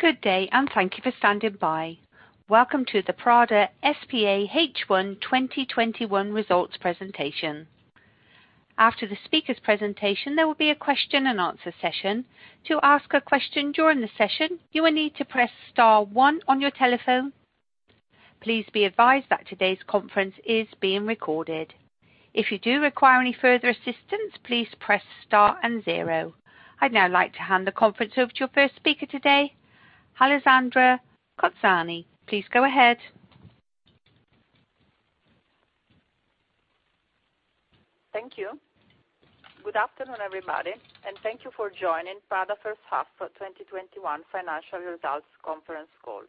Good day, and thank you for standing by. Welcome to the Prada S.p.A. H1 2021 Results Presentation. After the speaker's presentation, there will be a question-and-answer session. To ask a question during the session, you will need to press star one on your telephone. Please be advised that today's conference is being recorded. If you do require any further assistance, please press star and zero. I'd now like to hand the conference over to your first speaker today, Alessandra Cozzani. Please go ahead. Thank you. Good afternoon, everybody, and thank you for joining Prada's first half of 2021 financial results conference call.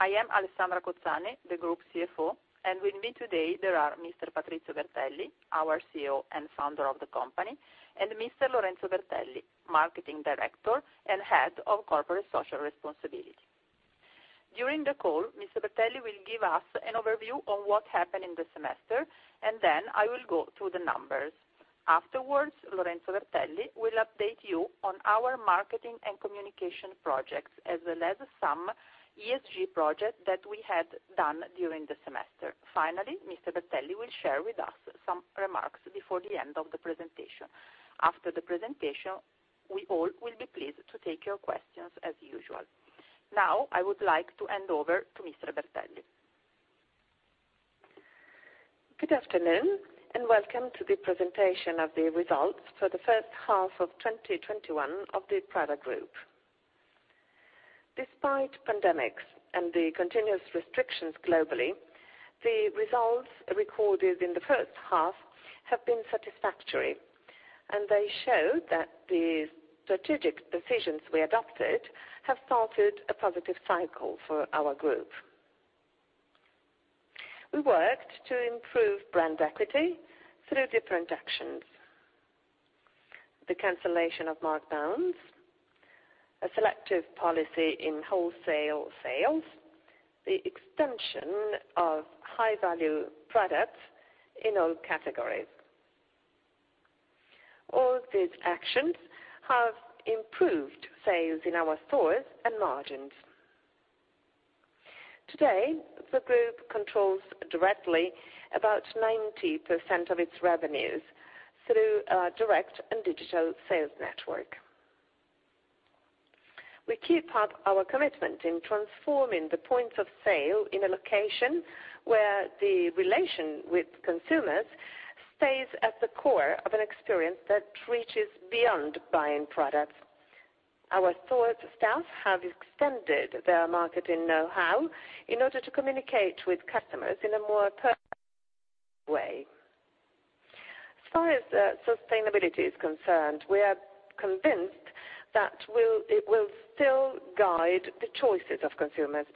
I am Alessandra Cozzani, the Group CFO. With me today are Mr. Patrizio Bertelli, our CEO and founder of the company, and Mr. Lorenzo Bertelli, Marketing Director and Head of Corporate Social Responsibility. During the call, Mr. Bertelli will give us an overview of what happened in the semester. Then I will go through the numbers. Afterwards, Lorenzo Bertelli will update you on our marketing and communication projects, as well as some ESG projects that we had done during the semester. Finally, Mr. Bertelli will share with us some remarks before the end of the presentation. After the presentation, we all will be pleased to take your questions as usual. Now, I would like to hand over to Mr. Bertelli. Good afternoon. Welcome to the presentation of the results for the first half of 2021 of the Prada Group. Despite pandemics and the continuous restrictions globally, the results recorded in the first half have been satisfactory. They show that the strategic decisions we adopted have started a positive cycle for our group. We worked to improve brand equity through different actions. The cancellation of markdowns, a selective policy in wholesale sales, and the extension of high-value products in all categories, all these actions have improved sales in our stores and margins. Today, the group controls directly about 90% of its revenues through our direct and digital sales network. We keep up our commitment to transforming the points of sale in a location where the relation with consumers stays at the core of an experience that reaches beyond buying products. Our store staff have extended their marketing know-how in order to communicate with customers in a more personal way. As far as sustainability is concerned, we are convinced that it will still guide the choices of consumers.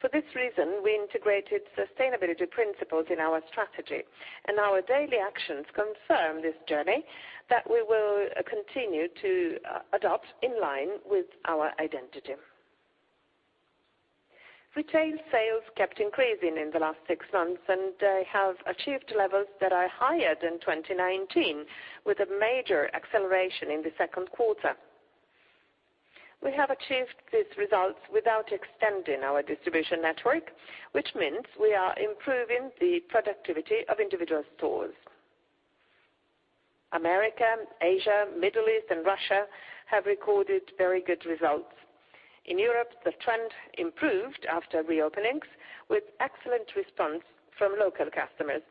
For this reason, we integrated sustainability principles in our strategy, and our daily actions confirm this journey that we will continue to adopt in line with our identity. Retail sales kept increasing in the last six months and have achieved levels that are higher than 2019, with a major acceleration in the second quarter. We have achieved these results without extending our distribution network, which means we are improving the productivity of individual stores. America, Asia, the Middle East, and Russia have recorded very good results. In Europe, the trend improved after reopenings with an excellent response from local customers.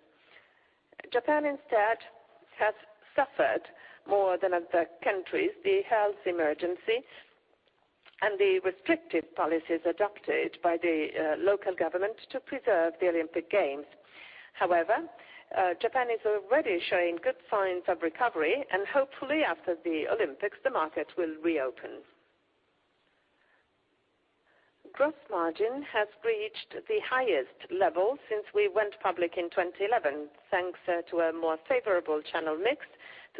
Japan instead has suffered more than other countries, the health emergency, and the restrictive policies adopted by the local government to preserve the Olympic Games. However, Japan is already showing good signs of recovery, and hopefully after the Olympics, the market will reopen. Gross margin has reached the highest level since we went public in 2011 thanks to a more favorable channel mix,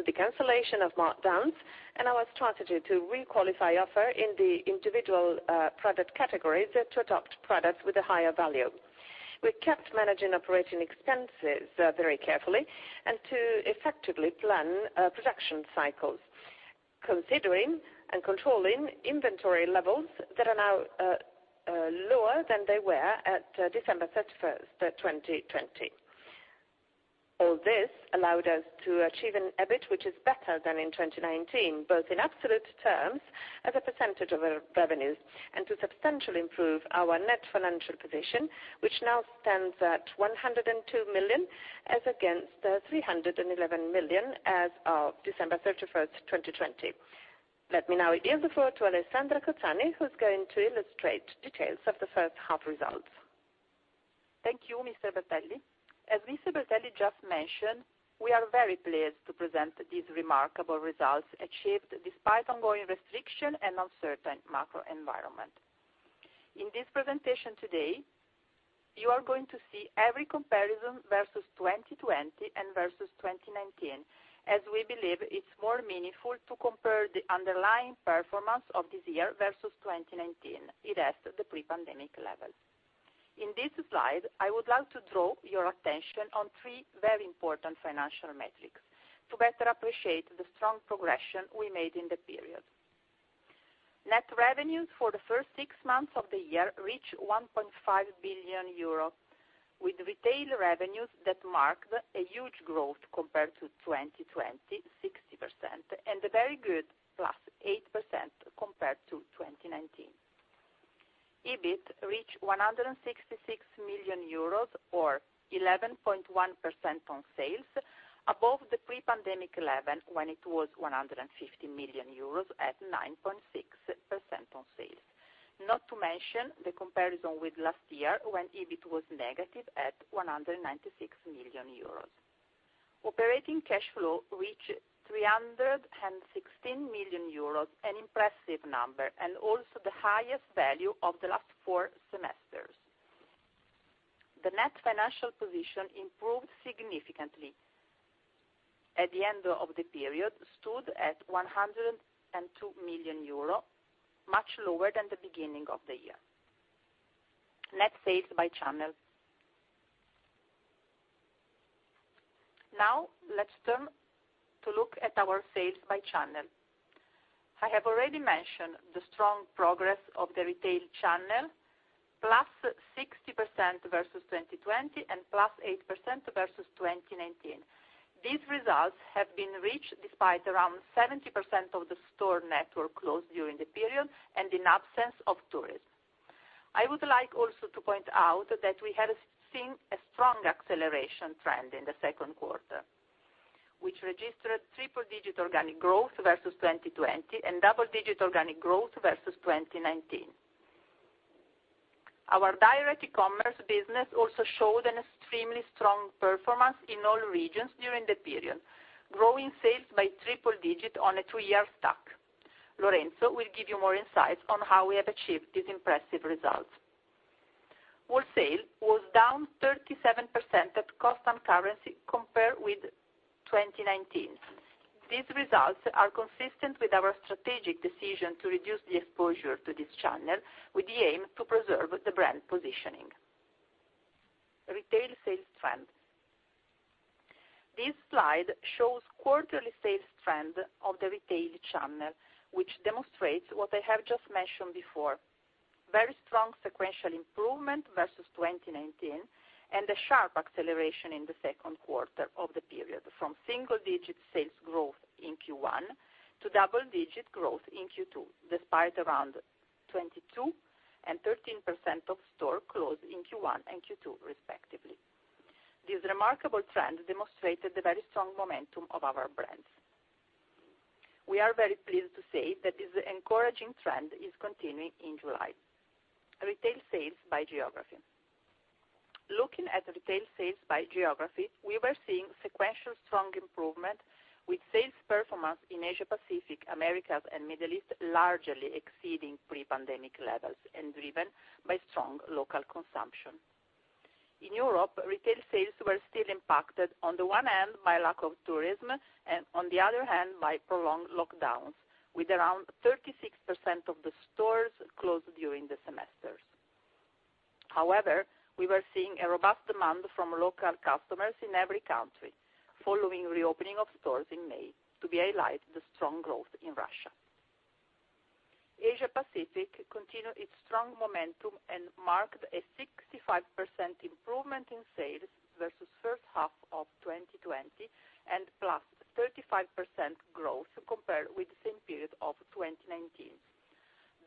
the cancellation of markdowns, and our strategy to re-qualify offers in the individual product categories to adopt products with a higher value. We kept managing operating expenses very carefully and effectively planned production cycles, considering and controlling inventory levels that are now lower than they were on December 31st, 2020. All this allowed us to achieve an EBIT that is better than in 2019, both in absolute terms and as a percentage of our revenues, and to substantially improve our net financial position, which now stands at 102 million as against 311 million as of December 31st, 2020. Let me now yield the floor to Alessandra Cozzani, who's going to illustrate details of the first half results. Thank you, Mr. Bertelli. As Mr. Bertelli just mentioned, we are very pleased to present these remarkable results achieved despite ongoing restrictions and an uncertain macro environment. In this presentation today, you are going to see every comparison versus 2020 and versus 2019, as we believe it's more meaningful to compare the underlying performance of this year versus 2019; those are the pre-pandemic levels. In this slide, I would like to draw your attention to three very important financial metrics to better appreciate the strong progression we made in the period. Net revenues for the first six months of the year reached 1.5 billion euros, with retail revenues that marked a huge growth compared to 2020, 60%, and a very good +8% compared to 2019. EBIT reached 166 million euros, or 11.1% on sales, above the pre-pandemic level when it was 150 million euros at 9.6% on sales. Not to mention the comparison with last year, when EBIT was negative at 196 million euros. Operating cash flow reached 316 million euros, an impressive number, and also the highest value of the last four semesters. The net financial position improved significantly, and at the end of the period, it stood at 102 million euro, much lower than at the beginning of the year. Net sales by channel. Let's turn to look at our sales by channel. I have already mentioned the strong progress of the retail channel, +60% versus 2020 and +8% versus 2019. These results have been reached despite around 70% of the store network being closed during the period and in the absence of tourism. I would like also to point out that we have seen a strong acceleration trend in the second quarter, which registered triple-digit organic growth versus 2020 and double-digit organic growth versus 2019. Our direct e-commerce business also showed an extremely strong performance in all regions during the period, growing sales by triple-digit on a three-year stack. Lorenzo will give you more insight on how we have achieved these impressive results. Wholesale was down 37% at constant currency compared with 2019. These results are consistent with our strategic decision to reduce the exposure to this channel with the aim to preserve the brand positioning. Retail sales trends. This slide shows the quarterly sales trend of the retail channel, which demonstrates what I have just mentioned before. Very strong sequential improvement versus 2019, and a sharp acceleration in the second quarter of the period, from single-digit sales growth in Q1 to double-digit growth in Q2, despite around 22% and 13% of stores closed in Q1 and Q2 respectively. This remarkable trend demonstrated the very strong momentum of our brands. We are very pleased to say that this encouraging trend is continuing in July. Retail sales by geography. Looking at retail sales by geography, we were seeing sequential strong improvement with sales performance in the Asia Pacific, the Americas, and the Middle East, largely exceeding pre-pandemic levels and driven by strong local consumption. In Europe, retail sales were still impacted on the one hand by lack of tourism and on the other hand by prolonged lockdowns, with around 36% of the stores closed during the semester. However, we were seeing a robust demand from local customers in every country following the reopening of stores in May. To be highlighted, the strong growth in Russia. Asia Pacific continued its strong momentum and marked a 65% improvement in sales versus the first half of 2020, +35% growth compared with the same period of 2019.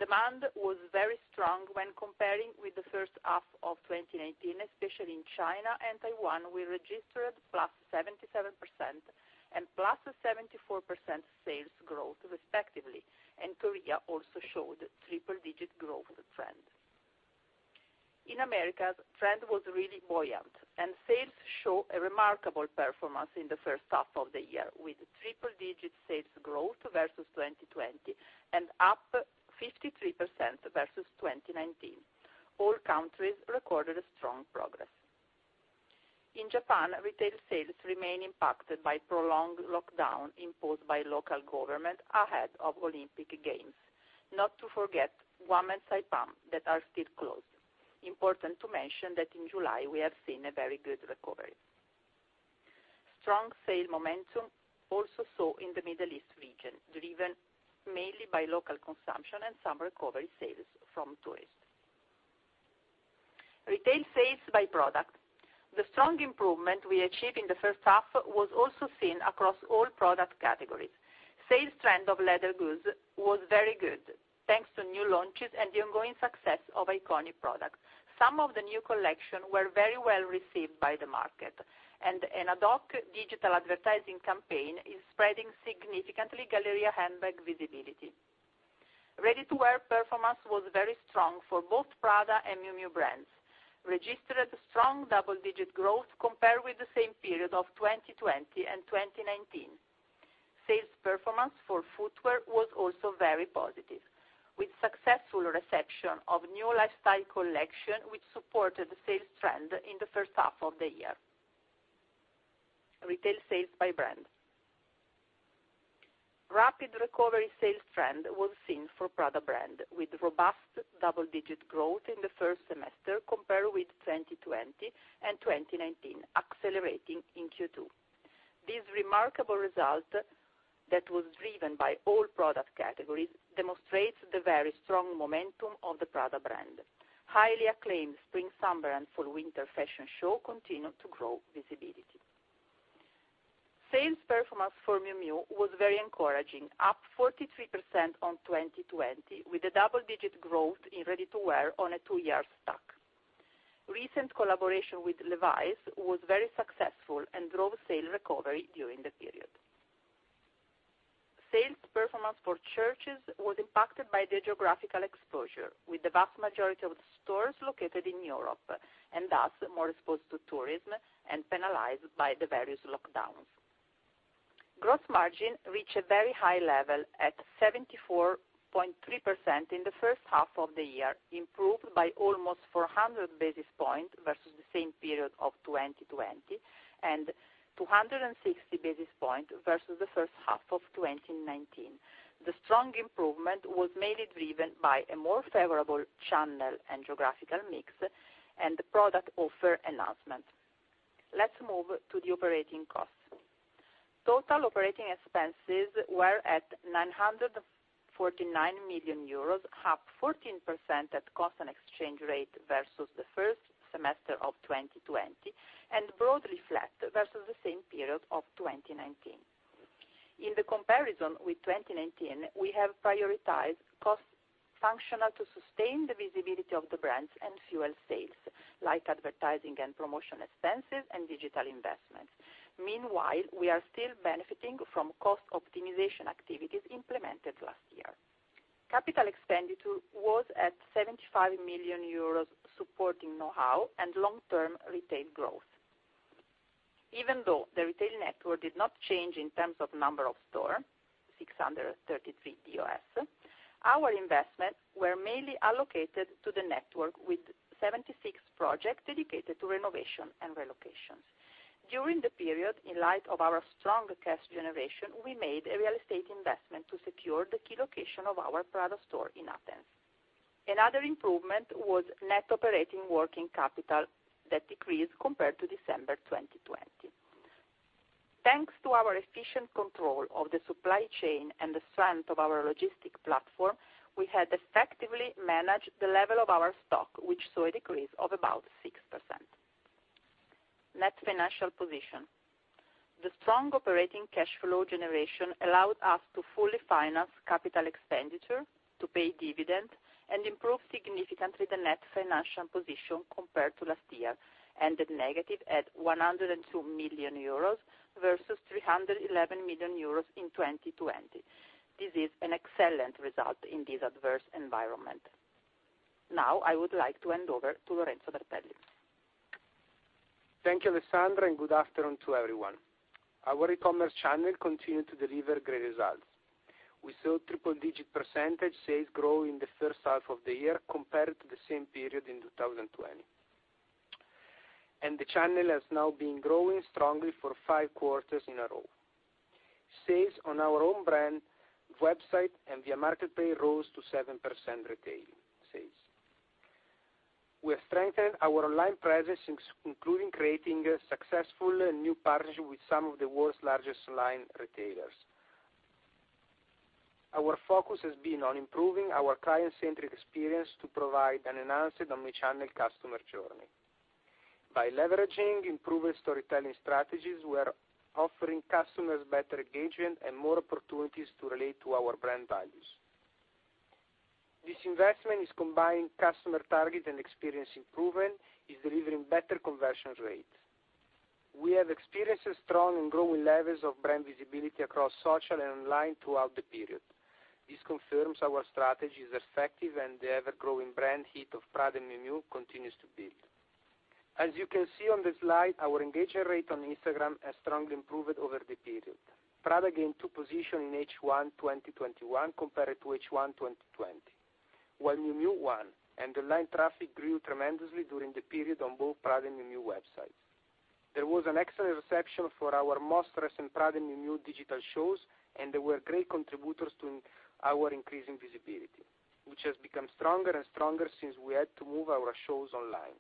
Demand was very strong when comparing with the first half of 2019, especially in China and Taiwan, we registered +77% and +74% sales growth, respectively, and Korea also showed a triple-digit growth trend. In the Americas, the trend was really buoyant, and sales showed a remarkable performance in the first half of the year, with triple-digit sales growth versus 2020 and +53% versus 2019. All countries recorded strong progress. In Japan, retail sales remain impacted by the prolonged lockdown imposed by the local government ahead of the Olympic Games. Not to forget Guam and Saipan, which are still closed. Important to mention that in July we have seen a very good recovery. Strong sales momentum was also seen in the Middle East region, driven mainly by local consumption and some recovery sales from tourists. Retail sales by product. The strong improvement we achieved in the first half was also seen across all product categories. Sales trend of leather goods was very good, thanks to new launches and the ongoing success of iconic products some of the new collection was very well received by the market. An ad hoc digital advertising campaign is spreading significantly Galleria handbag visibility. Ready-to-wear performance was very strong for both Prada and Miu Miu brands. It registered strong double-digit growth compared with the same period of 2020 and 2019. Sales performance for footwear was also very positive, with a successful reception of the new lifestyle collection, which supported the sales trend in the first half of the year. Retail sales by brand. A rapid recovery sales trend was seen for the Prada brand, with robust double-digit growth in the first semester compared with 2020 and 2019, accelerating in Q2. This remarkable result that was driven by all product categories demonstrates the very strong momentum of the Prada brand. Highly acclaimed spring, summer, and fall-winter fashion show continued to grow visibility. Sales performance for Miu Miu was very encouraging, up 43% on 2020, with a double-digit growth in ready-to-wear on a two-year stack. Recent collaboration with Levi's was very successful and drove sale recovery during the period. Sales performance for Church's was impacted by the geographical exposure, with the vast majority of the stores located in Europe and thus more exposed to tourism and penalized by the various lockdowns. Gross margin reached a very high level at 74.3% in the first half of the year, improved by almost 400 basis points versus the same period of 2020, and 260 basis points versus the first half of 2019. The strong improvement was mainly driven by a more favorable channel and geographical mix and the product offer enhancement. Let's move to the operating costs. Total operating expenses were at 949 million euros, up 14% at constant exchange rates versus the first semester of 2020, and broadly flat versus the same period of 2019. In the comparison with 2019, we have prioritized cost functions to sustain the visibility of the brands and fuel sales, like advertising and promotion expenses and digital investments. Meanwhile, we are still benefiting from cost optimization activities implemented last year. Capital expenditure was at 75 million euros, supporting know-how and long-term retail growth. Even though the retail network did not change in terms of the number of stores, 633 [doors], our investments were mainly allocated to the network with 76 projects dedicated to renovation and relocations. During the period, in light of our strong cash generation, we made a real estate investment to secure the key location of our Prada store in Athens. Another improvement was net operating working capital that decreased compared to December 2020. Thanks to our efficient control of the supply chain and the strength of our logistic platform, we had effectively managed the level of our stock, which saw a decrease of about 6%. Net financial position. The strong operating cash flow generation allowed us to fully finance capital expenditure, pay dividends, and significantly improve the net financial position compared to last year, ending negative at 102 million euros versus 311 million euros in 2020. This is an excellent result in this adverse environment. Now, I would like to hand over to Lorenzo Bertelli. Thank you, Alessandra. Good afternoon to everyone. Our e-commerce channel continued to deliver great results. We saw triple-digit percentage sales grow in the first half of the year compared to the same period in 2020. The channel has now been growing strongly for five quarters in a row. Sales on our own brand website and via marketplace rose to 7% of retail sales. We have strengthened our online presence, including creating a successful new partnership with some of the world's largest online retailers. Our focus has been on improving our client-centric experience to provide an enhanced omni-channel customer journey. By leveraging improved storytelling strategies, we're offering customers better engagement and more opportunities to relate to our brand values. This investment is combining customer targeting and experience improvement and is delivering better conversion rates. We have experienced strong and growing levels of brand visibility across social and online throughout the period. This confirms our strategy is effective and the ever-growing brand heat of Prada and Miu Miu continues to build. As you can see on the slide, our engagement rate on Instagram has strongly improved over the period. Prada gained two positions in H1 2021 compared to H1 2020, while Miu Miu one, and online traffic grew tremendously during the period on both Prada and Miu Miu websites. There was an excellent reception for our most recent Prada and Miu Miu digital shows, and they were great contributors to our increasing visibility, which has become stronger and stronger since we had to move our shows online.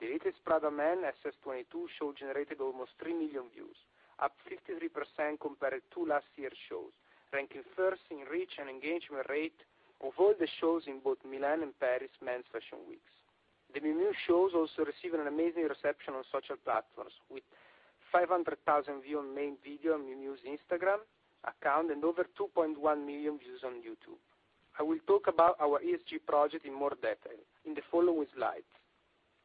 The latest Prada Men SS22 show generated almost three million views, up 53% compared to last year's shows, ranking first in reach and engagement rate of all the shows in both Milan and Paris men's fashion weeks. The Miu Miu shows also received an amazing reception on social platforms, with 500,000 views on the main video on Miu Miu's Instagram account and over 2.1 million views on YouTube. I will talk about our ESG project in more detail in the following slides,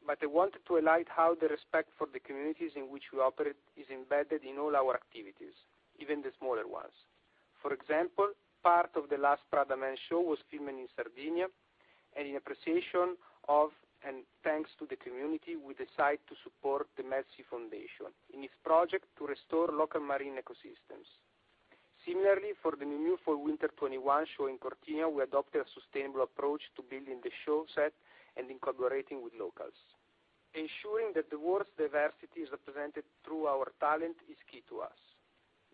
but I wanted to highlight how the respect for the communities in which we operate is embedded in all our activities, even the smaller ones. For example, part of the last Prada Men's show was filmed in Sardinia, and in appreciation of and thanks to the community, we decided to support the MEDSEA Foundation in its project to restore local marine ecosystems. Similarly, for the Miu Miu Fall Winter 2021 show in Cortina, we adopted a sustainable approach to building the show set and incorporated locals. Ensuring that the world's diversity is represented through our talent is key to us.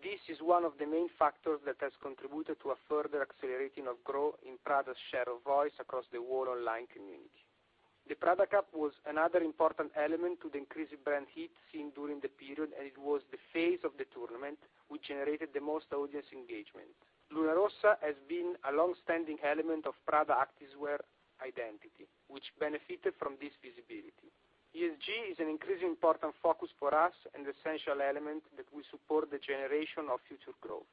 This is one of the main factors that has contributed to a further acceleration of growth in Prada's share of voice across the whole online community. The Prada Cup was another important element to the increasing brand heat seen during the period, and it was the phase of the tournament that generated the most audience engagement. Luna Rossa has been a longstanding element of Prada activewear identity, which benefited from this visibility. ESG is an increasingly important focus for us and an essential element that will support the generation of future growth.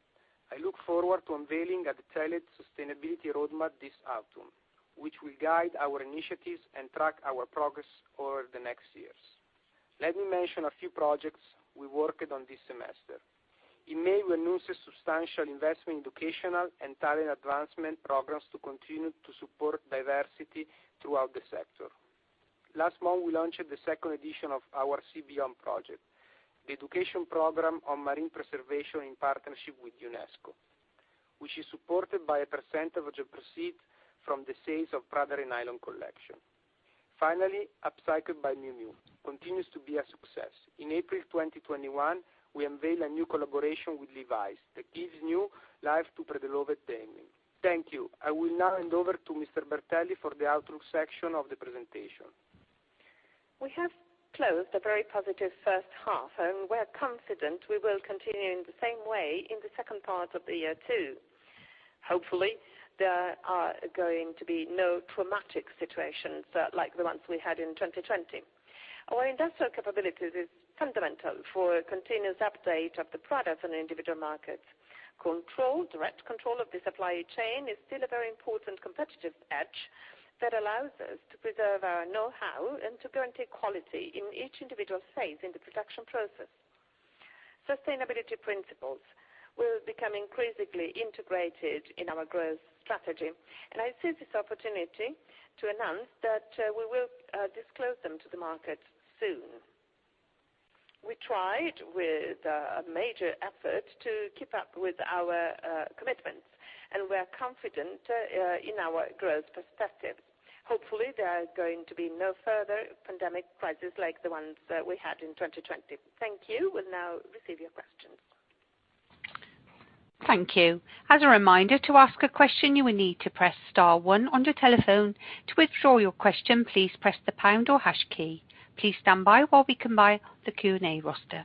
I look forward to unveiling a detailed sustainability roadmap this autumn, which will guide our initiatives and track our progress over the next years. Let me mention a few projects we worked on this semester. In May, we announced a substantial investment in educational and talent advancement programs to continue to support diversity throughout the sector. Last month, we launched the second edition of our Sea Beyond project, the education program on marine preservation in partnership with UNESCO, which is supported by a percentage of proceeds from the sales of the Prada Re-Nylon collection. Finally, Upcycled by Miu Miu continues to be a success. In April 2021, we unveiled a new collaboration with Levi's that gives new life to Prada denim. Thank you. I will now hand over to Mr. Bertelli for the outlook section of the presentation. We have closed a very positive first half, and we're confident we will continue in the same way in the second part of the year, too. Hopefully, there are going to be no traumatic situations like the ones we had in 2020. Our industrial capabilities are fundamental for a continuous update of the product in the individual markets. Control, direct control of the supply chain, is still a very important competitive edge that allows us to preserve our know-how and to guarantee quality in each individual phase in the production process. Sustainability principles will become increasingly integrated in our growth strategy, and I seize this opportunity to announce that we will disclose them to the market soon. We tried with a major effort to keep up with our commitments, and we're confident in our growth perspective. Hopefully, there are going to be no further pandemic crises like the ones that we had in 2020. Thank you. We'll now receive your questions. Thank you. As a reminder, to ask a question, you will need to press star one on your telephone. To withdraw your question, please press the pound or hash key. Please stand by while we combine the Q&A roster.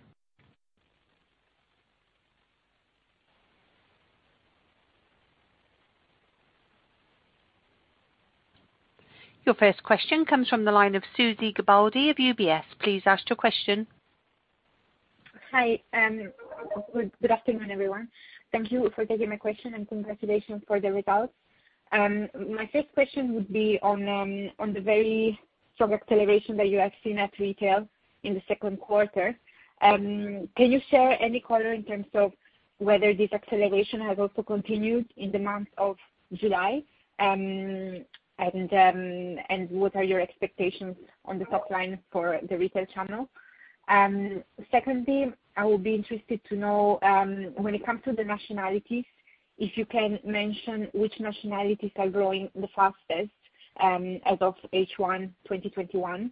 Your first question comes from the line of Susy Tibaldi of UBS. Please ask your question. Hi. Good afternoon, everyone. Thank you for taking my question, and congratulations for the results. My first question would be on the very strong acceleration that you have seen at retail in the second quarter. Can you share any color in terms of whether this acceleration has also continued in the month of July? What are your expectations on the top line for the retail channel? Secondly, I would be interested to know, when it comes to the nationalities, if you can mention which nationalities are growing the fastest as of H1 2021?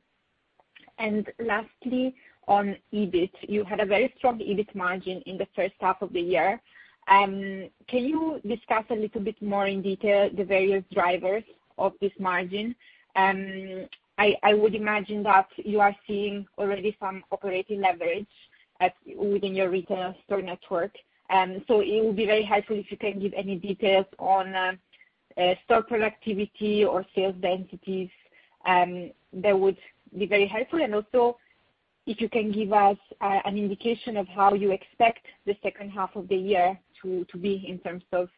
Lastly, on EBIT, you had a very strong EBIT margin in the first half of the year. Can you discuss a little bit more in detail the various drivers of this margin? I would imagine that you are already seeing some operating leverage within your retail store network. It would be very helpful if you could give any details on store productivity or sales densities. That would be very helpful. Also, if you can give us an indication of how you expect the second half of the year to be in terms of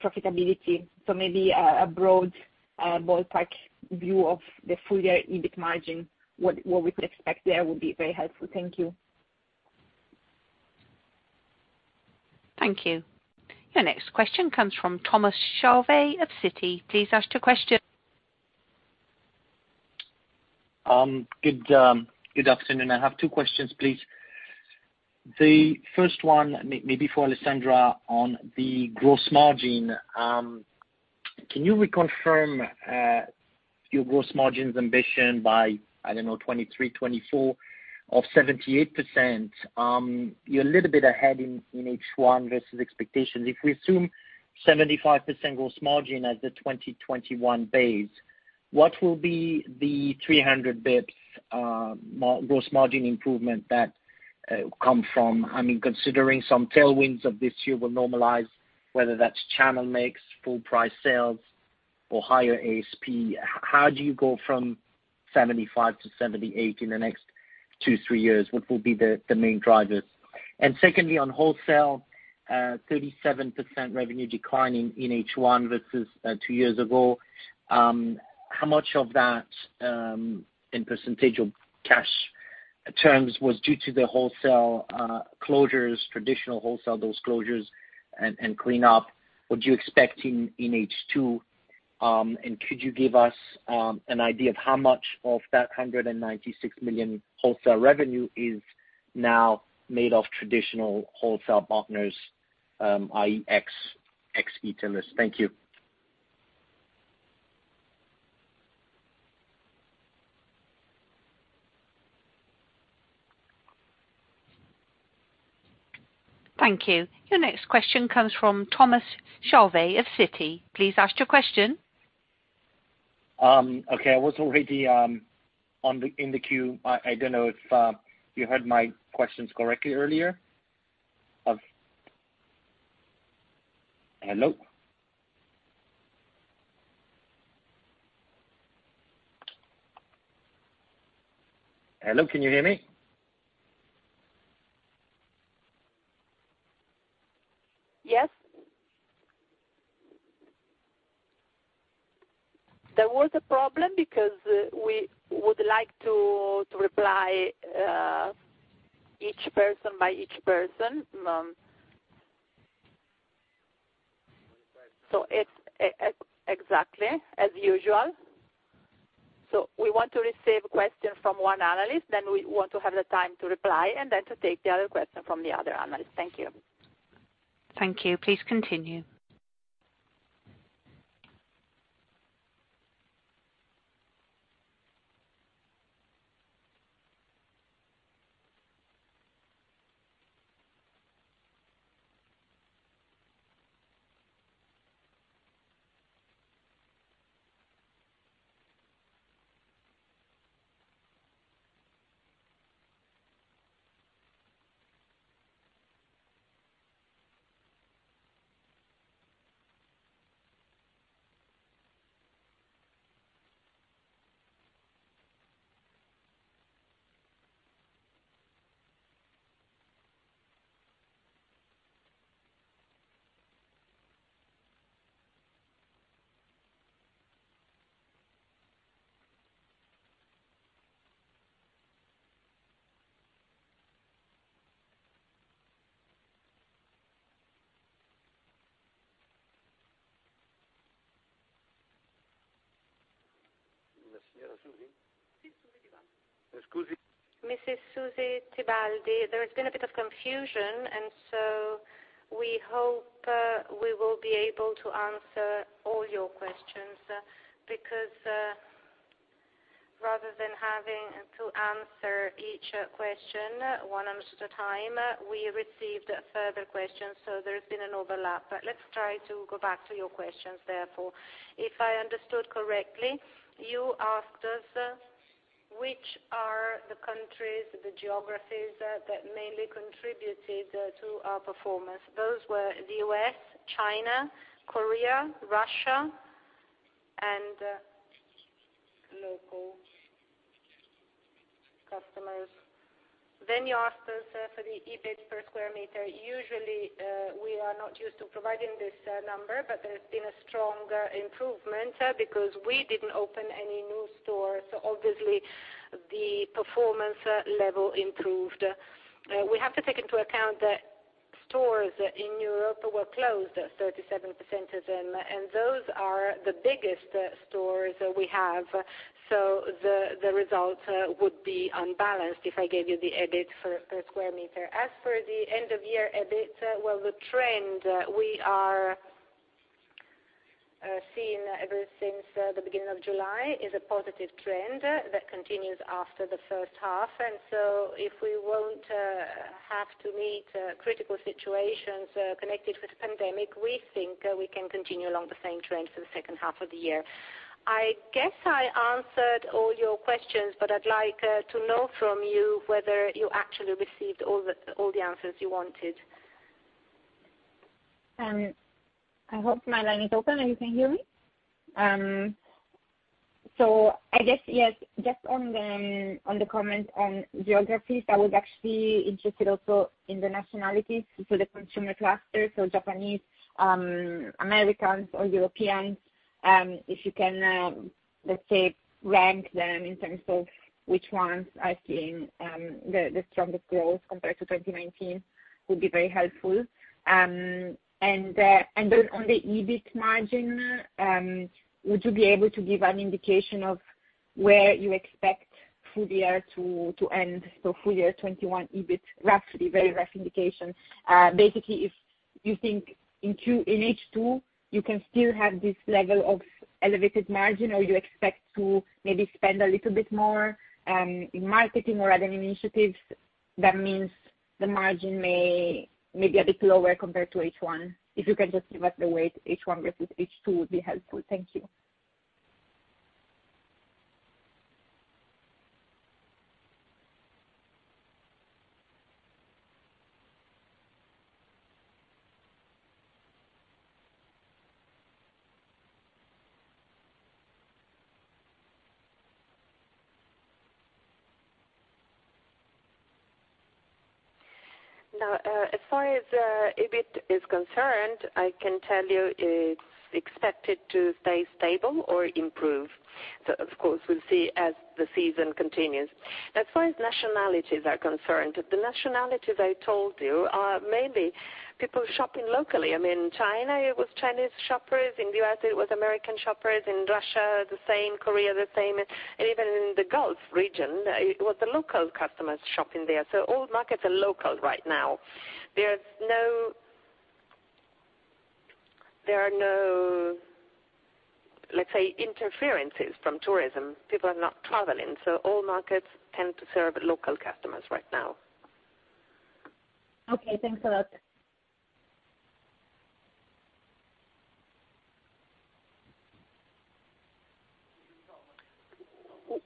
profitability. Maybe a broad ballpark view of the full-year EBIT margin, what we could expect there, would be very helpful. Thank you. Thank you. Your next question comes from Thomas Chauvet of Citi. Please ask your question. Good afternoon. I have two questions, please. The first one, maybe for Alessandra on the gross margin. Can you reconfirm your gross margins ambition by, I don't know, 2023, 2024 of 78%? You're a little bit ahead in H1 versus expectations. If we assume a 75% gross margin as the 2021 base, where will the 300 basis points of gross margin improvement come from? Considering some tailwinds of this year will normalize, whether that's channel mix, full-price sales, or higher ASP, how do you go from 75%-78% in the next two or three years? What will be the main drivers? Secondly, in wholesale, a 37% revenue decline in H1 versus two years ago. How much of that, in percentage of cash terms, was due to the wholesale closures, traditional wholesale, those closures, and cleanup? What do you expect in H2? Could you give us an idea of how much of that 196 million wholesale revenue is now made of traditional wholesale partners, i.e., ex-e-tailers? Thank you. Thank you. Your next question comes from Thomas Chauvet of Citi. Please ask your question. Okay. I was already in the queue. I don't know if you heard my questions correctly earlier. Hello? Hello, can you hear me? Yes. There was a problem because we would like to reply to each person by each person. Exactly, as usual. We want to receive a question from one analyst, then we want to have the time to reply, and then to take the other question from the other analyst. Thank you. Thank you. Please continue. Mrs. Susy Tibaldi, there has been a bit of confusion, and we hope we will be able to answer all your questions, because rather than having to answer each question one at a time, we received further questions, so there's been an overlap. Let's try to go back to your questions, therefore. If I understood correctly, you asked us which are the countries, the geographies that mainly contributed to our performance. Those were the U.S., China, Korea, Russia, and local customers. You asked us for the EBIT per square meter. Usually, we are not used to providing this number, but there's been a strong improvement because we didn't open any new stores, so obviously the performance level improved. We have to take into account that stores in Europe were closed, 37% of them, and those are the biggest stores we have. The result would be unbalanced if I gave you the EBIT per square meter. As for the end-of-year EBIT, well, the trend we are seeing ever since the beginning of July is a positive trend that continues after the first half. If we won't have to meet critical situations connected with the pandemic, we think we can continue along the same trend for the second half of the year. I guess I answered all your questions, but I'd like to know from you whether you actually received all the answers you wanted. I hope my line is open and you can hear me. I guess, yes, just on the comment on geographies, I was actually also interested in the nationalities for the consumer cluster: Japanese, Americans, or Europeans. If you can, let's say, rank them in terms of which ones are seeing the strongest growth compared to 2019, it would be very helpful. On the EBIT margin, would you be able to give an indication of where you expect the full year to end? Full year 2021 EBIT, roughly, a very rough indication. Basically, if you think in H2, you can still have this level of elevated margin, or you expect to maybe spend a little bit more on marketing or other initiatives, that means the margin may be a bit lower compared to H1. If you can just give us the weight of H1 versus H2, it would be helpful. Thank you. As far as EBIT is concerned, I can tell you it's expected to stay stable or improve. Of course, we'll see as the season continues. As far as nationalities are concerned, the nationalities I told you are mainly people shopping locally. In China, it was Chinese shoppers. In the U.S., it was American shoppers. In Russia, the same. Korea, the same. Even in the Gulf region, it was the local customers shopping there. All markets are local right now. There are no, let's say, interferences from tourism. People are not traveling, so all markets tend to serve local customers right now. Okay, thanks a lot.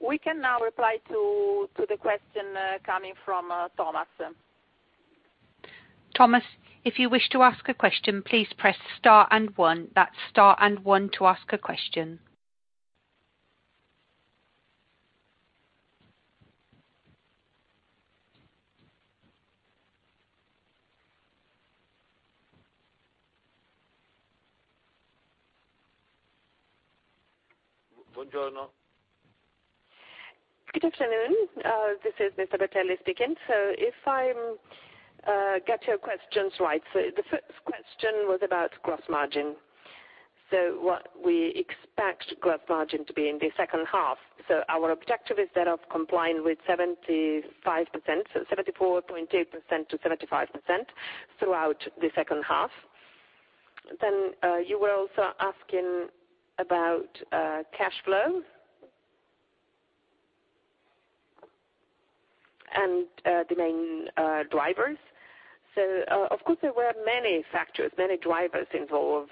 We can now reply to the question coming from Thomas. Thomas, if you wish to ask a question, please press star and one. That's a star and one to ask a question. Good afternoon. This is Patrizio Bertelli speaking. If I get your questions right, the first question was about gross margin. What we expect gross margin to be in the second half. Our objective is that of complying with 74.8%-75% throughout the second half. You were also asking about cash flow and the main drivers. Of course there were many factors, many drivers involved.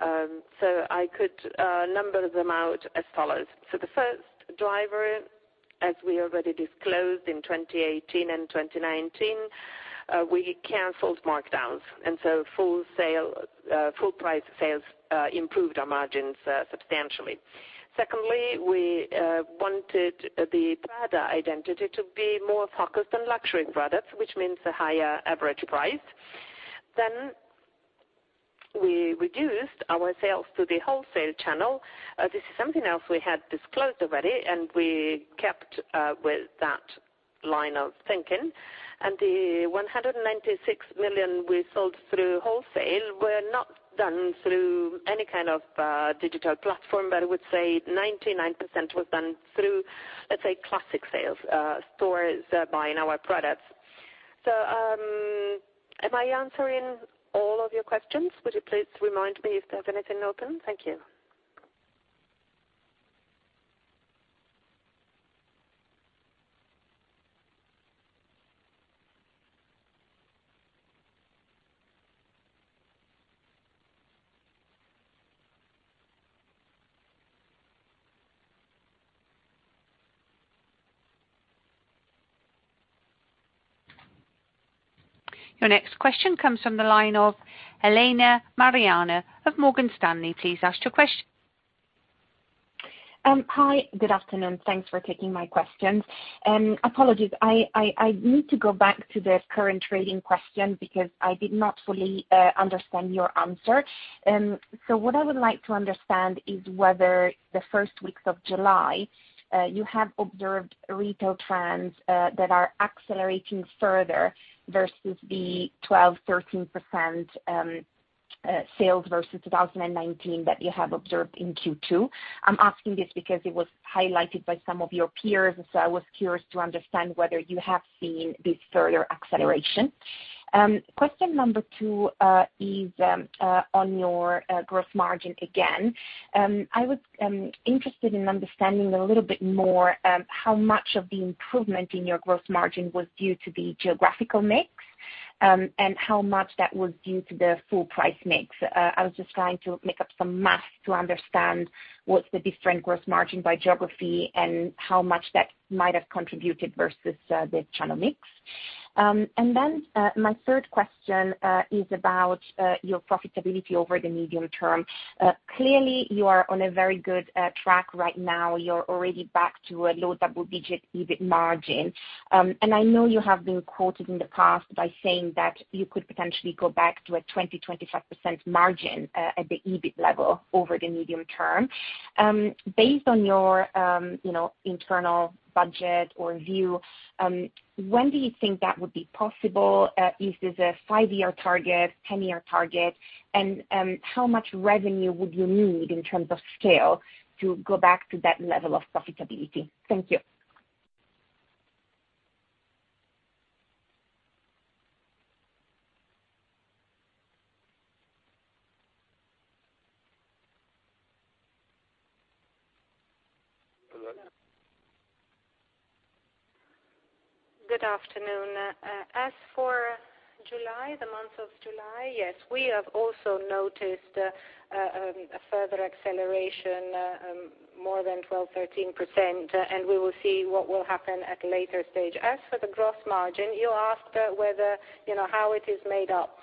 I could number them out as follows. The first driver, as we already disclosed in 2018 and 2019, we canceled markdowns. Full-price sales improved our margins substantially. Secondly, we wanted the Prada identity to be more focused on luxury products, which means a higher average price. We reduced our sales through the wholesale channel. This is something else we had disclosed already, and we kept with that line of thinking. The 196 million we sold through wholesale was not done through any kind of digital platform, I would say 99% was done through, let's say, classic sales, stores buying our products. Am I answering all of your questions? Would you please remind me if there's anything open? Thank you. Your next question comes from the line of Elena Mariani of Morgan Stanley. Please ask your question. Hi, good afternoon. Thanks for taking my questions. Apologies, I need to go back to the current trading question because I did not fully understand your answer. What I would like to understand is whether in the first weeks of July you have observed retail trends that are accelerating further versus the 12%-13% sales versus 2019 that you have observed in Q2. I'm asking this because it was highlighted by some of your peers, I was curious to understand whether you have seen this further acceleration. Question number two is on your gross margin again. I was interested in understanding a little bit more how much of the improvement in your gross margin was due to the geographical mix and how much was due to the full price mix. I was just trying to make up some math to understand what the different gross margins are by geography and how much that might have contributed versus the channel mix. My third question is about your profitability over the medium term. Clearly, you are on a very good track right now. You are already back to a low double-digit EBIT margin. I know you have been quoted in the past by saying that you could potentially go back to a 20%-25% margin at the EBIT level over the medium term. Based on your internal budget or view, when do you think that would be possible? Is this a five-year target, 10-year target? How much revenue would you need in terms of scale to go back to that level of profitability? Thank you. Elena. Good afternoon. As for the month of July, yes, we have also noticed a further acceleration, more than 12%, 13%. We will see what will happen at a later stage. As for the gross margin, you asked how it is made up.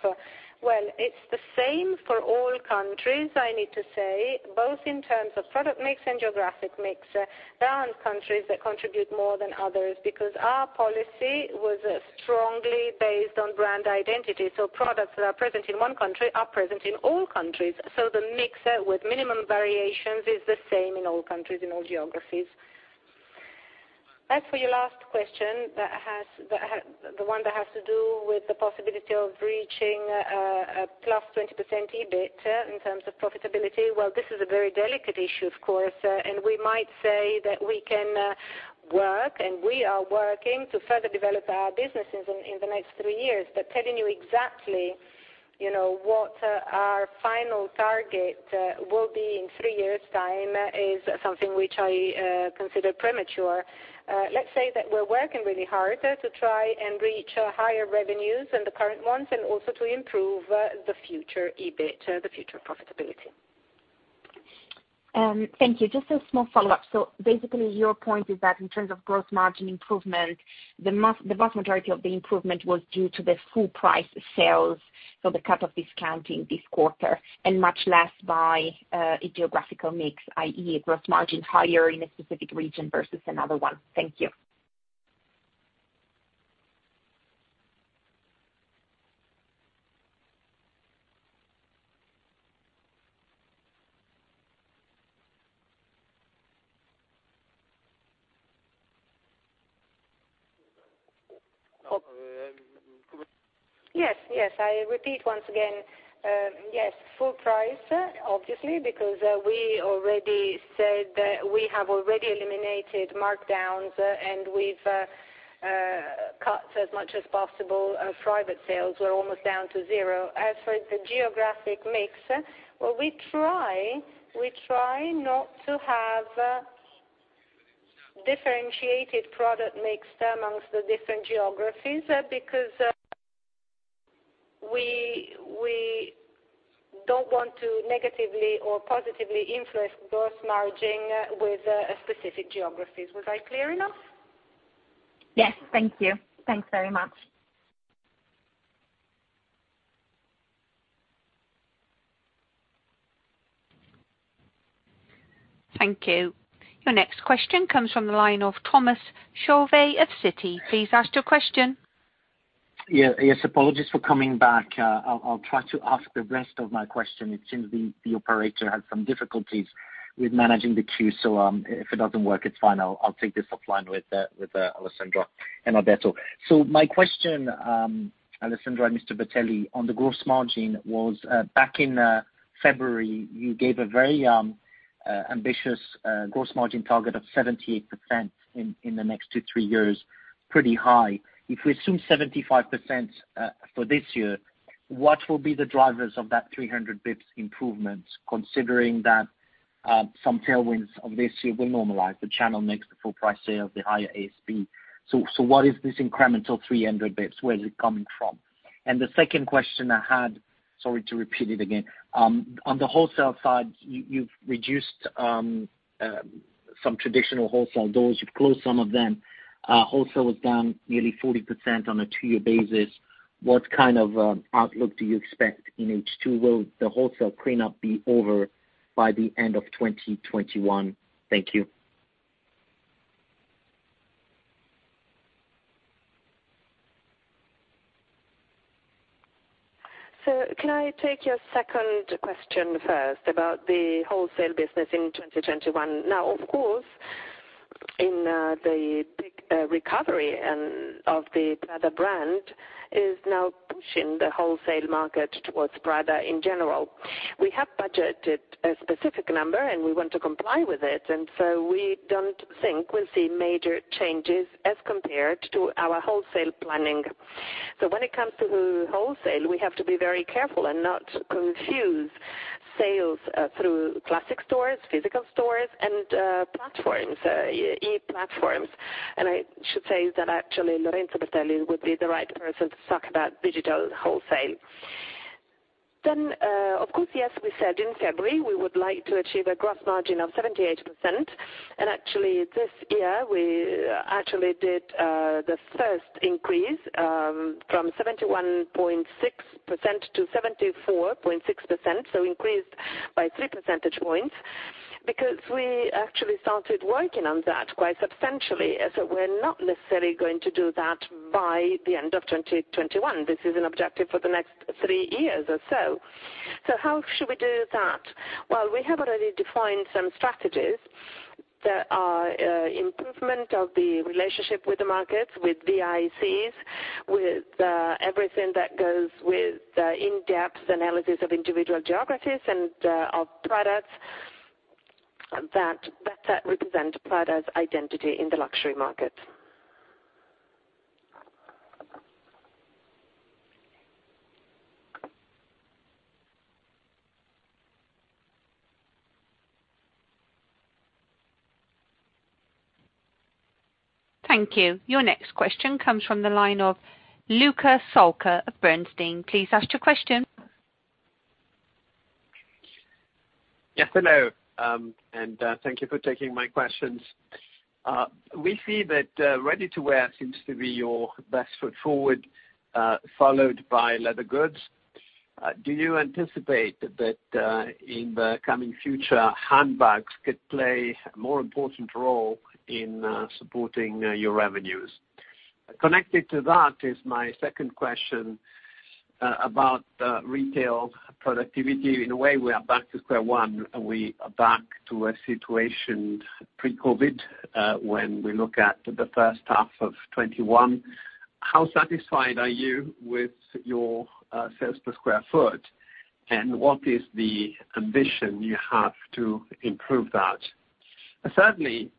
Well, it's the same for all countries, I need to say, both in terms of product mix and geographic mix. There aren't countries that contribute more than others because our policy was strongly based on brand identity. Products that are present in one country are present in all countries. The mix, with minimum variations, is the same in all countries, in all geographies. As for your last question, the one that has to do with the possibility of reaching a +20% EBIT in terms of profitability, well, this is a very delicate issue, of course, and we might say that we can work, and we are working to further develop our businesses in the next three years. Telling you exactly You know what our final target will be in three years' time is something that I consider premature. Let's say that we're working really hard to try and reach higher revenues than the current ones and also to improve the future EBIT, the future profitability. Thank you. Just a small follow-up. Basically, your point is that in terms of gross margin improvement, the vast majority of the improvement was due to the full price of sales for the cut of discounting this quarter and much less by a geographical mix, i.e., a gross margin higher in a specific region versus another one. Thank you. Yes. I repeat once again. Yes, full price, obviously, because we already said that we have already eliminated markdowns and we've cut as much as possible private sales. We're almost down to zero. As for the geographic mix, well, we try not to have a differentiated product mix amongst the different geographies because we don't want to negatively or positively influence gross margin with specific geographies. Was I clear enough? Yes. Thank you. Thanks very much. Thank you. Your next question comes from the line of Thomas Chauvet of Citi. Please ask your question. Yes. Apologies for coming back. I'll try to ask the rest of my question. It seems the operator had some difficulties with managing the queue, if it doesn't work, it's fine. I'll take this offline with Alessandra and Patrizio Bertelli. My question, Alessandra and Mr. Bertelli, on the gross margin, was back in February, you gave a very ambitious gross margin target of 78% in the next two or three years, which is pretty high. If we assume 75% for this year, what will be the drivers of that 300 basis points improvement, considering that some tailwinds of this year will normalize, the channel mix, and the full-price sale of the higher ASP? What is this incremental 300 basis points? Where is it coming from? The second question I had, sorry to repeat it again. On the wholesale side, you've reduced some traditional wholesale doors. You've closed some of them. Wholesale was down nearly 40% on a two-year basis. What kind of outlook do you expect in H2? Will the wholesale cleanup be over by the end of 2021? Thank you. Can I take your second question first about the wholesale business in 2021? Of course, the big recovery of the Prada brand is now pushing the wholesale market towards Prada in general. We have budgeted a specific number, and we want to comply with it. We don't think we'll see major changes as compared to our wholesale planning. When it comes to wholesale, we have to be very careful and not confuse sales through classic stores, physical stores, and platforms, e-platforms. I should say that actually Lorenzo Bertelli would be the right person to talk about digital wholesale. Of course, yes, we said in February we would like to achieve a gross margin of 78%. Actually, this year, we actually did the first increase from 71.6%-74.6%, increased by three percentage points, because we actually started working on that quite substantially, as we're not necessarily going to do that by the end of 2021. This is an objective for the next three years or so. How should we do that? Well, we have already defined some strategies that are an improvement of the relationship with the markets, with VICs, with everything that goes with in-depth analysis of individual geographies, and with products that represent Prada's identity in the luxury market. Thank you. Your next question comes from the line of Luca Solca of Bernstein. Please ask your question. Yes, hello, thank you for taking my questions. We see that ready-to-wear seems to be your best foot forward, followed by leather goods. Do you anticipate that in the coming future, handbags could play a more important role in supporting your revenues? Connected to that is my second question about retail productivity. In a way, we are back to square one. We are back to a situation pre-COVID-19, when we look at H1 2021. How satisfied are you with your sales per square foot? What is the ambition you have to improve that? Certainly,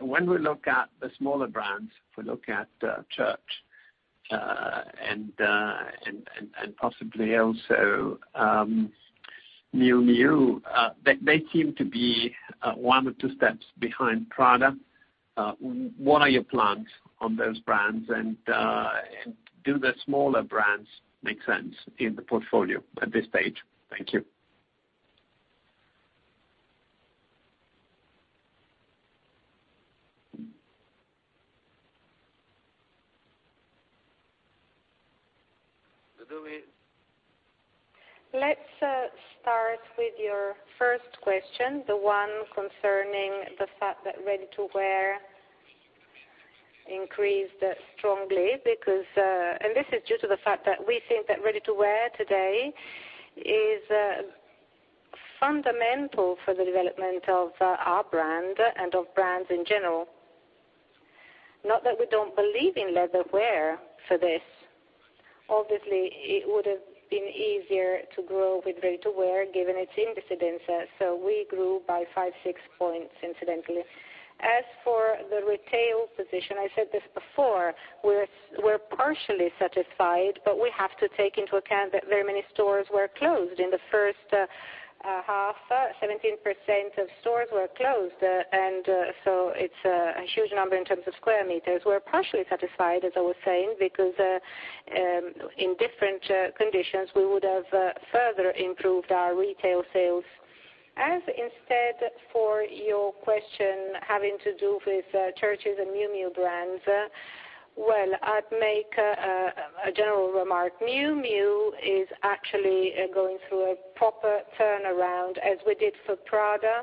when we look at the smaller brands, if we look at Church's and possibly also Miu Miu, they seem to be one or two steps behind Prada. What are your plans on those brands, and do the smaller brands make sense in the portfolio at this stage? Thank you. Let's start with your first question, the one concerning the fact that ready-to-wear increased strongly. This is due to the fact that we think that ready-to-wear today is fundamental for the development of our brand and of brands in general. Not that we don't believe in leather wear for this. Obviously, it would've been easier to grow with ready-to-wear, given its incidence. We grew by five or six points incidentally. As for the retail position, I said this before: we're partially satisfied, but we have to take into account that very many stores were closed in the first half. 17% of stores were closed. It's a huge number in terms of square meters. We're partially satisfied, as I was saying, because in different conditions, we would have further improved our retail sales. As for your question having to do with Church's and Miu Miu brands, well, I'd make a general remark. Miu Miu is actually going through a proper turnaround, as we did for Prada.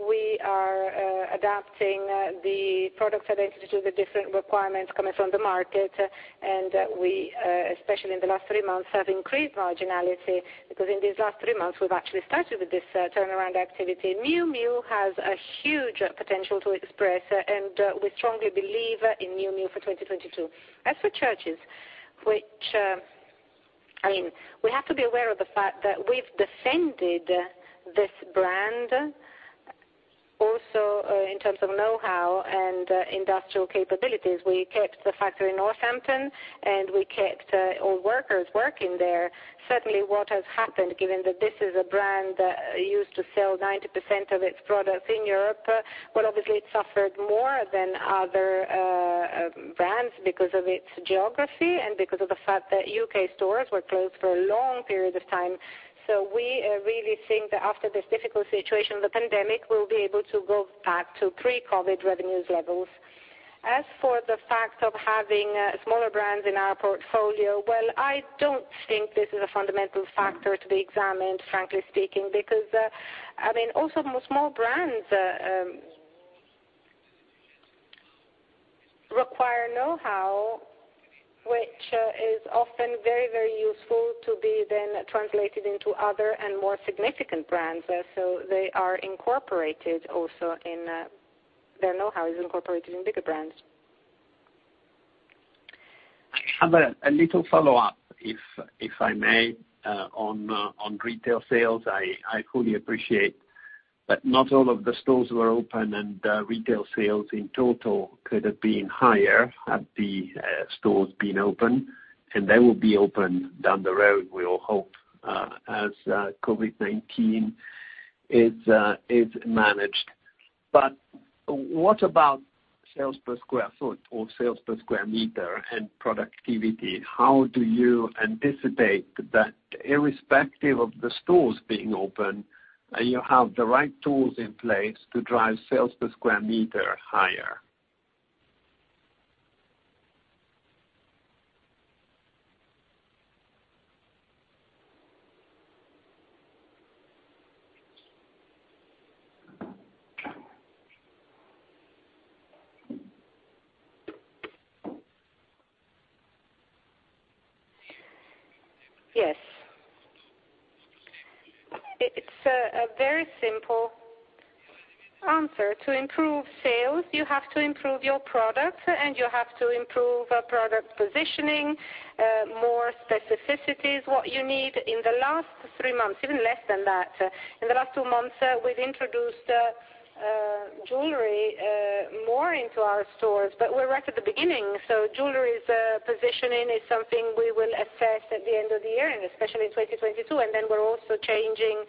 We are adapting the product identity to the different requirements coming from the market, and we, especially in the last three months, have increased marginality because in these last three months, we've actually started with this turnaround activity. Miu Miu has a huge potential to express, and we strongly believe in Miu Miu for 2022. As for Church's, we have to be aware of the fact that we've defended this brand also in terms of know-how and industrial capabilities. We kept the factory in Northampton, and we kept all workers working there. Certainly, what has happened, given that this is a brand that used to sell 90% of its products in Europe, well, obviously it suffered more than other brands because of its geography and because of the fact that U.K. stores were closed for long periods of time. We really think that after this difficult situation of the pandemic, we'll be able to go back to pre-COVID revenue levels. As for the fact of having smaller brands in our portfolio, well, I don't think this is a fundamental factor to be examined, frankly speaking, because also small brands require know-how, which is often very useful to be then translated into other and more significant brands. Their know-how is incorporated in bigger brands. I have a little follow-up, if I may, on retail sales. I fully appreciate that not all of the stores were open and retail sales in total could have been higher had the stores been open, and they will be open down the road, we all hope, as COVID-19 is managed. What about sales per square foot or sales per square meter and productivity? How do you anticipate that irrespective of the stores being open, you have the right tools in place to drive sales per square meter higher? Yes. It's a very simple answer. To improve sales, you have to improve your product, and you have to improve product positioning and more specificities, what you need. In the last three months, even less than that, in the last two months, we've introduced jewelry more into our stores, but we're right at the beginning. Jewelry's positioning is something we will assess at the end of the year and especially in 2022. We're also changing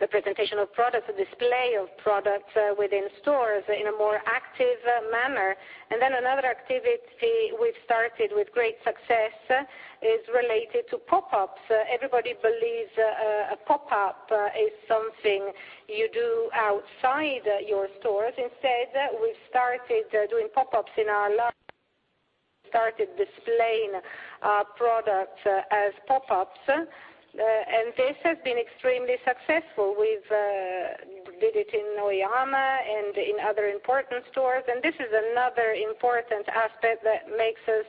the presentational product, the display of product within stores, in a more active manner. Another activity we've started with great success is related to pop-ups. Everybody believes a pop-up is something you do outside your stores. Instead, we've started doing pop-ups and started displaying our product as pop-ups, and this has been extremely successful. We did it in Noema and in other important stores. This is another important aspect that makes us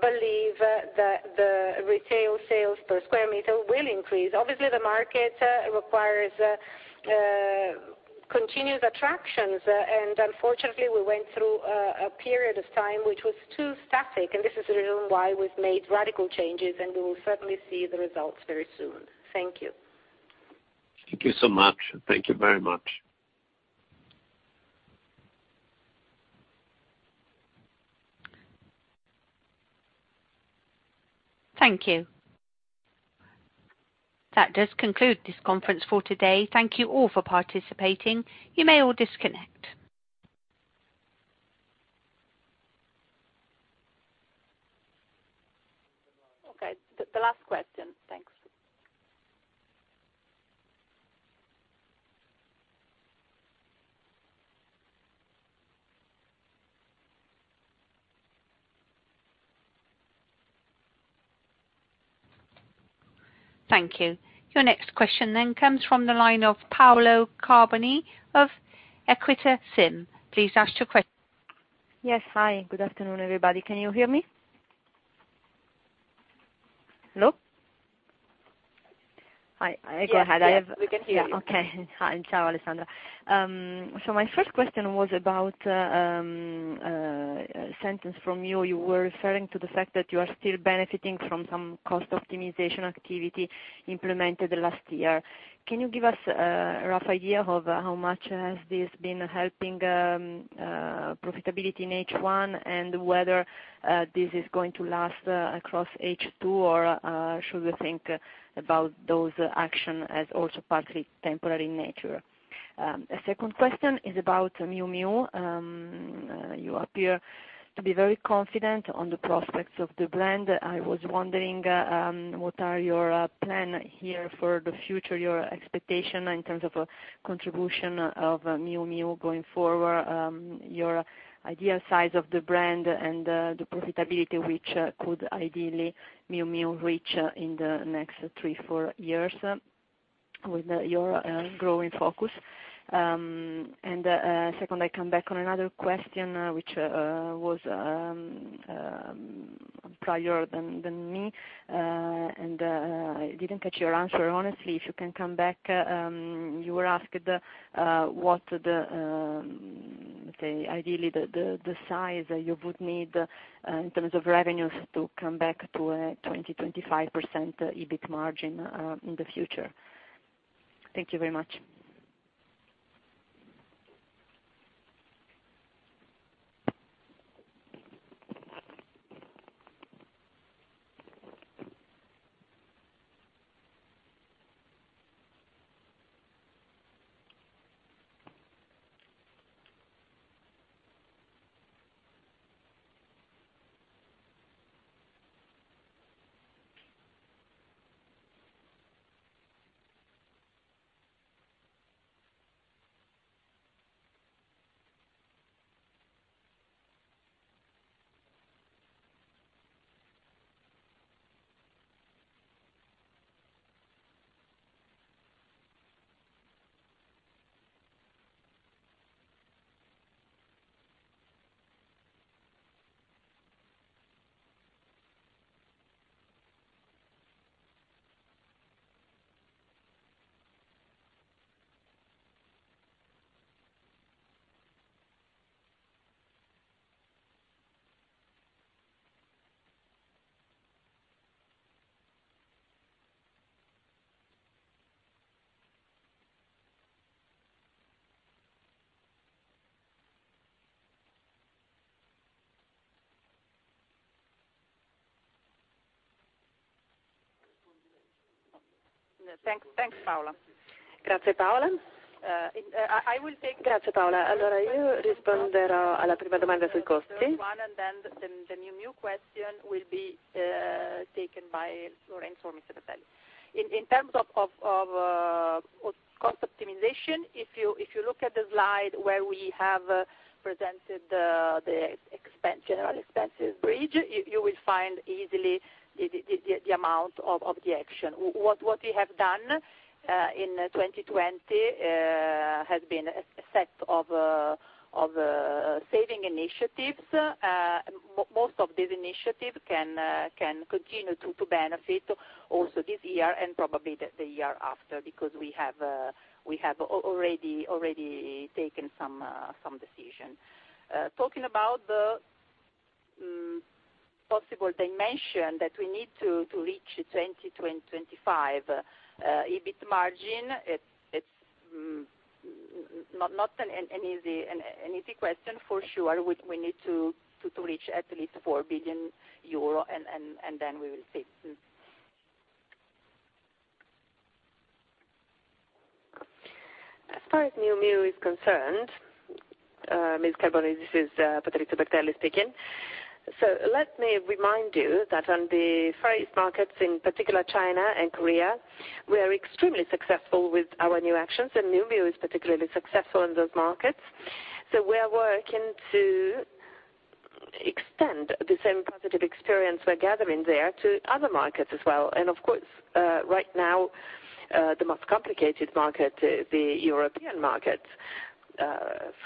believe that the retail sales per square meter will increase. Obviously, the market requires Continuous attractions. Unfortunately, we went through a period of time that was too static. This is the reason why we've made radical changes. We will certainly see the results very soon. Thank you. Thank you so much. Thank you very much. Thank you. That does conclude this conference for today. Thank you all for participating. You may all disconnect. Okay. The last question. Thanks. Thank you. Your next question comes from the line of Paola Carboni of Equita SIM. Please ask your question. Yes. Hi. Good afternoon, everybody. Can you hear me? Hello? Hi. Go ahead. Yes, we can hear you. Okay. Hi. Ciao, Alessandra. My first question was about a sentence from you. You were referring to the fact that you are still benefiting from some cost optimization activity implemented last year. Can you give us a rough idea of how much this has been helping profitability in H1, and whether this is going to last across H2, or should we think about those actions as also partly of a temporary nature? Second question is about Miu Miu. You appear to be very confident about the prospects of the brand. I was wondering what your plans are here for the future, your expectations in terms of the contribution of Miu Miu going forward, your ideal size for the brand, and the profitability, which Miu Miu could ideally reach in the next three or four years with your growing focus. Second, I come back to another question, which was prior to me, and I didn't catch your answer, honestly. If you can come back, you were asked what ideally the size you would need in terms of revenues to come back to a 20%, 25% EBIT margin in the future. Thank you very much. Thanks, Paola. I will take, and then the Miu Miu question will be taken by Lorenzo or Mr. Bertelli. In terms of cost optimization, if you look at the slide where we have presented the general expenses bridge, you will find easily the amount of the action. What we have done, in 2020, has been a set of saving initiatives. Most of these initiatives can continue to benefit also this year and probably the year after because we have already taken some decisions. Talking about the possible dimension that we need to reach a 20%, 25% EBIT margin, it's not an easy question for sure. We need to reach at least 4 billion euro, and then we will see. As far as Miu Miu is concerned, Ms. Carboni, this is Patrizio Bertelli speaking. Let me remind you that in the Far East markets, in particular China and Korea, we are extremely successful with our new actions, and Miu Miu is particularly successful in those markets. We are working to extend the same positive experience we're gathering there to other markets as well. Of course, right now, the most complicated market is the European market,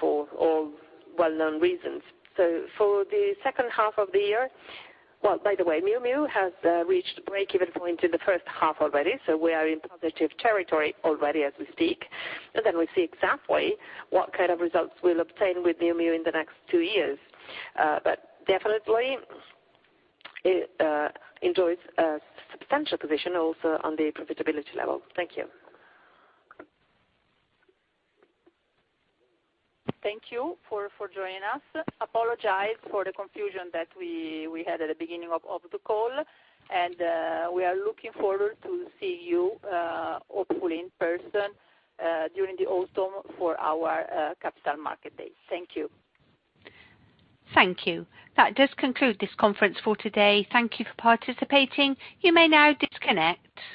for all well-known reasons. For the second half of the year Well, by the way, Miu Miu has reached break-even point in the first half already, so we are in positive territory already as we speak. We see exactly what kind of results we'll obtain with Miu Miu in the next two years. Definitely enjoys a substantial position also on the profitability level. Thank you. Thank you for joining us. I apologize for the confusion that we had at the beginning of the call. We are looking forward to seeing you, hopefully in person, during the autumn for our Capital Market Day. Thank you. Thank you. That does conclude this conference for today. Thank you for participating. You may now disconnect.